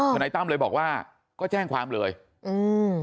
นายตั้มเลยบอกว่าก็แจ้งความเลยอืม